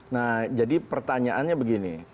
nah jadi pertanyaannya begini